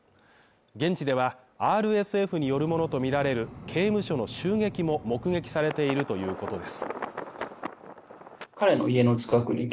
現地では、ＲＳＦによるものとみられる刑務所の襲撃も目撃されているということです。